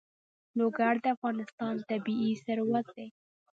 لوگر د افغانستان طبعي ثروت دی.